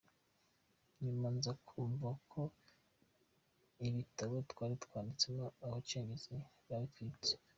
Nyuma nza kumva ko ibitabo twari twanditsemo Abacengezi babitwitse.